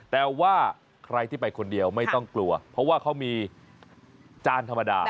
แต่ว่าใครที่ไปคนเดียวไม่ต้องกลัวเพราะว่าเขามีจานธรรมดา